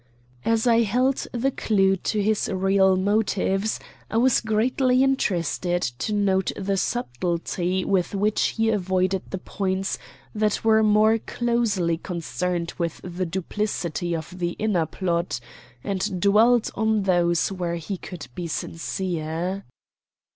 As I held the clew to his real motives, I was greatly interested to note the subtlety with which he avoided the points that were more closely concerned with the duplicity of the inner plot, and dwelt on those where he could be sincere.